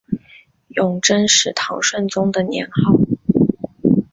永贞是唐顺宗的年号。